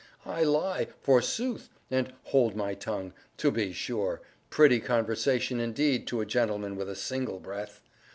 —'I lie,' forsooth! and 'hold my tongue,' to be sure!—pretty conversation indeed, to a gentleman with a single breath!